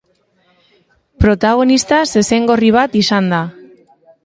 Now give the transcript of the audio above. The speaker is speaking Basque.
Protagonista zezen gorri bat izan da.